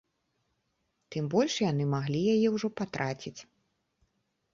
Тым больш, яны маглі яе ўжо патраціць.